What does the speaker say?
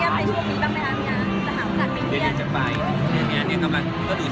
พอน้ำไม่ทำจากนั้นก็ต้องไปทำแค่นี้